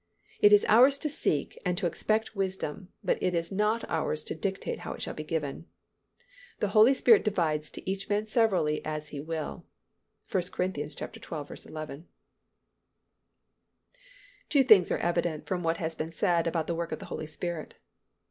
It is ours to seek and to expect wisdom but it is not ours to dictate how it shall be given. The Holy Spirit divides to "each man severally as He will" (1 Cor. xii. 11). Two things are evident from what has been said about the work of the Holy Spirit.